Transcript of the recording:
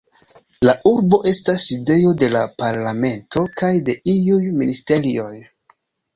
La urbo estas sidejo de la parlamento kaj de iuj ministerioj.